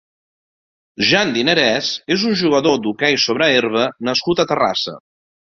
Jan Dinarés és un jugador d'hoquei sobre herba nascut a Terrassa.